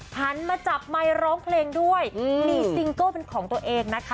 หันมาจับไมค์ร้องเพลงด้วยมีซิงเกิลเป็นของตัวเองนะคะ